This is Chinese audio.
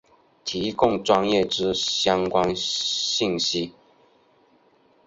提供专业之相关讯息